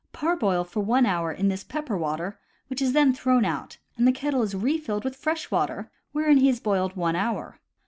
Parboil for one hour in this pepper water, which is then thrown out and the kettle is refilled with fresh water, wherein he is boiled one hour.